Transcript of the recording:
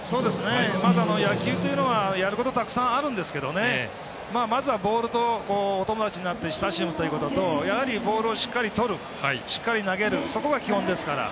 まず野球というのはやることたくさんあるんですけどまずはボールとお友達になって親しむということとやはりボールをしっかりとる、しっかり投げるそこが基本ですから。